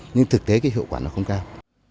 nhưng thực tế cái hiệu quả nó không cao